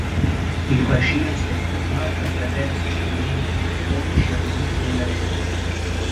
Il bacino si è formato attraverso cedimenti tettonici avvenuti nella regione.